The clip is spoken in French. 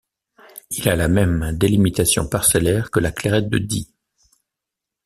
Il a la même délimitation parcellaire que la Clairette de Die.